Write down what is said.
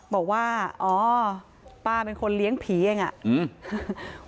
บอกว่าอ๋อป้าเป็นคนเลี้ยงผีอย่างเงี้ยอืม